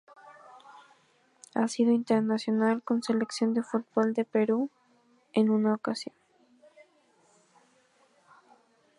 Ha sido internacional con selección de fútbol de Perú en una ocasión.